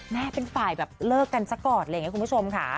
แม้เป็นฝ่ายแบบเลิกกันสักก่อนเลยไงคุณผู้ชมค่ะ